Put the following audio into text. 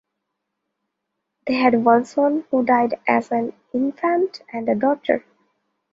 They had one son, who died as an infant, and a daughter.